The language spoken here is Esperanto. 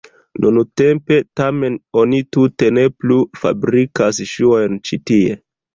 Nuntempe tamen oni tute ne plu fabrikas ŝuojn ĉi tie.